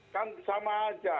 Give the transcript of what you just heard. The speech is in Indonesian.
kan sama saja